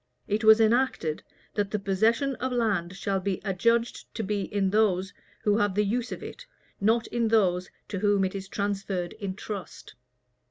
It was enacted, that the possession of land shall be adjudged to be in those who have the use of it, not in those to whom it is transferred in trust. * 27 Henry VIII. c. 10.